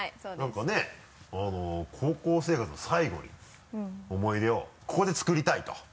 なんかね「高校生活の最後に思い出」をここで作りたいと。